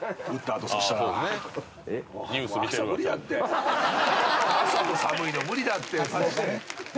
朝の寒いの無理だってマジで！